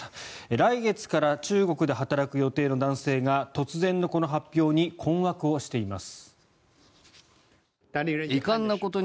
来月から中国で働く予定の男性が突然のこの発表に困惑をしています。